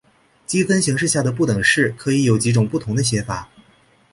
积分形式下的不等式可以有几种不同的写法。